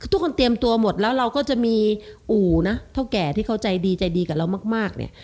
เตรียมตัวหมดแล้วเราก็จะมีอู่นะเท่าแก่ที่เขาใจดีใจดีกับเรามากเนี่ย